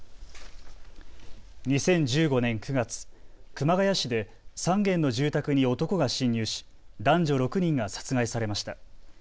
２０１５年９月、熊谷市で３軒の住宅に男が侵入し男女６人が殺害されました。